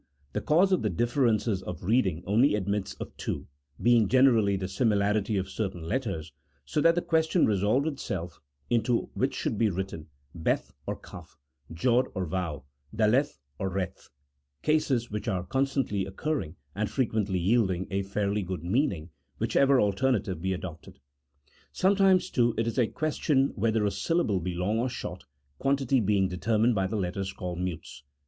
The cause of the differences of reading only admits of two, being generally the similarity of certain letters, so that the ques tion resolved itself into which should be written Beth, or Kaf, Jod or Vau, Daleth or Eeth: cases which are con stantly occurring, and frequently yielding a fairly good meaning whichever alternative be adopted. Sometimes, too, it is a question whether a syllable be long or short, quantity being determined by the letters called mutes.